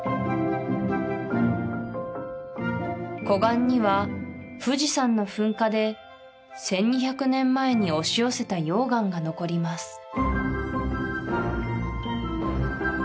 湖岸には富士山の噴火で１２００年前に押し寄せた溶岩が残ります